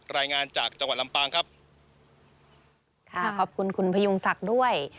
รายงานจากจังหวัดลำปางครับค่ะขอบคุณคุณพยุงศักดิ์ด้วย